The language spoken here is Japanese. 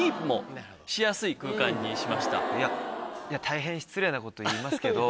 大変失礼なことを言いますけど。